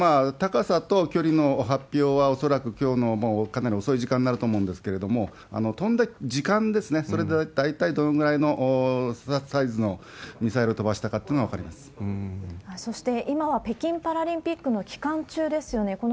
高さと距離の発表は恐らくきょうのかなり遅い時間になると思うんですけれども、飛んだ時間ですね、それが大体どのぐらいのサイズのミサイルを飛ばしたかというのがそして、今は北京パラリンピックの期間中ですよね。